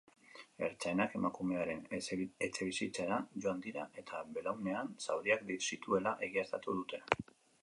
Ertzainak emakumearen etxebizitzara joan dira eta belaunean zauriak zituela egiaztatu dute.